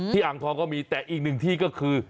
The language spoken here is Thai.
อ่างทองก็มีแต่อีกหนึ่งที่ก็คือ